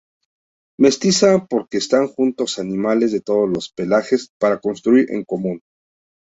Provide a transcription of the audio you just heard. Mestiza porque están juntos animales de todos los pelajes para construir en común.